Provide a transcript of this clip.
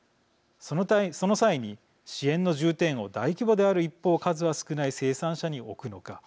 その際に支援の重点を大規模である一方数は少ない生産者に置くのか